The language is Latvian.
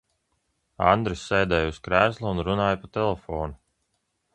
Andris sēdēja uz krēsla un runāja pa telefonu.